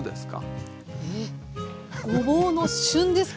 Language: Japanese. ええ⁉ごぼうの旬ですか。